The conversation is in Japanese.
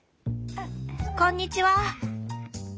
こんにちは。